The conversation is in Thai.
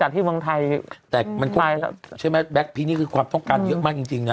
จริงไหมแบลกพีนี้คือพวกต้องการเยอะมากจริงนะ